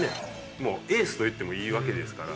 もうエースといってもいいわけですから。